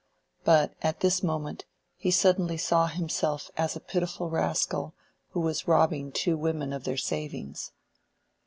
But at this moment he suddenly saw himself as a pitiful rascal who was robbing two women of their savings.